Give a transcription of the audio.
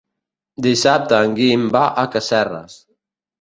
Dissabte en Guim va a Casserres.